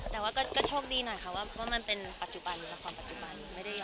แต่ว่าก็โชคดีหน่อยค่ะว่ามันเป็นปัจจุบันราคอนปัจจุบันไม่ได้ย้อนหยุบ